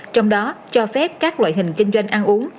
trong đó cho phép các loại hình kinh doanh ăn uống